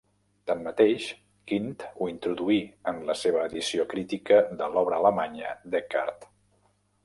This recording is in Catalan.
Tanmateix, Quint ho introduí en la seva edició crítica de l'obra alemanya d'Eckhart.